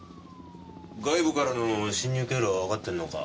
外部からの侵入経路はわかってるのか？